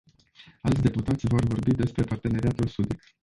Alți deputați vor vorbi despre parteneriatul sudic.